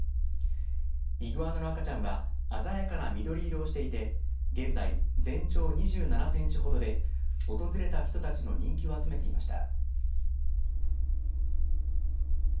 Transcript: イグアナの赤ちゃんは鮮やかな緑色をしていて現在、全長２７センチほどで訪れた人たちの人気を集めていました。